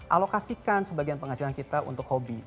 alokasikan sebagian penghasilan kita untuk hobi